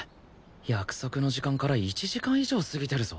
約束の時間から１時間以上過ぎてるぞ